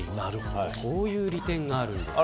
そういう利点があるんです。